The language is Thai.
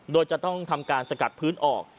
โดยจะต้องทำการสกัดพื้นออก